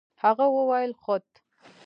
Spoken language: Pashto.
هغه وويل خود.